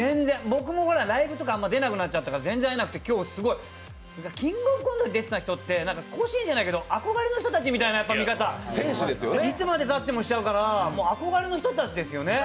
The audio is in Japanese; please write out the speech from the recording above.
僕もライブとか出なくなっちゃったから全然会えなくて今日すごい「キングオブコント」に出てた人って甲子園じゃないけど憧れの人たちみたいな見方、いつまでたってもしちゃうから、憧れの人たちですよね。